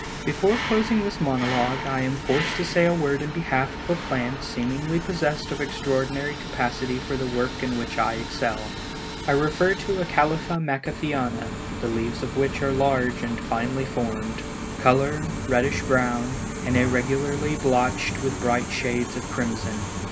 Before closing this monologue, I am forced to say a word in behalf of a plant seemingly possessed of extraordinary capacity for the work in which I excel. I refer to Acalypha Macaffeana, the leaves of which are large and finely formed; color, reddish brown, and irregularly blotched with bright shades of crimson.